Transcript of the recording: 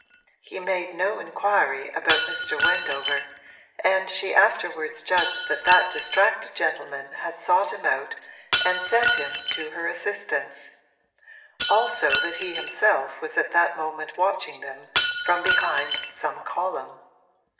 He made no inquiry about Mr. Wendover, and she afterwards judged that that distracted gentleman had sought him out and sent him to her assistance; also that he himself was at that moment watching them from behind some column.